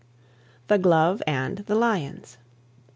THE GLOVE AND THE LIONS.